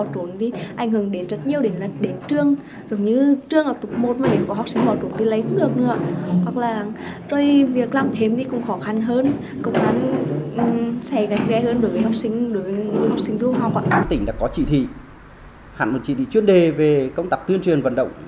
tỉnh đã có trị thị hẳn một trị thị chuyên đề về công tập tuyên truyền vận động